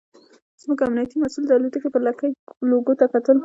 زموږ امنیتي مسوول د الوتکې پر لکۍ لوګو ته کتل.